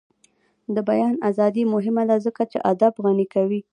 د بیان ازادي مهمه ده ځکه چې ادب غني کوي.